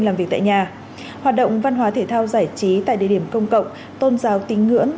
làm việc tại nhà hoạt động văn hóa thể thao giải trí tại địa điểm công cộng tôn giáo tín ngưỡng